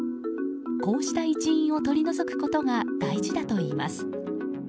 こうした一因を取り除くことが大事だといいます。